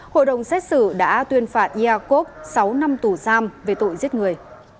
hội đồng xét xử đã tuyên phạt iakov sáu năm tù giam về tội giết người